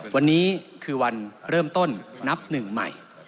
วันนี้คือวันเริ่มต้นนับหนึ่งใหม่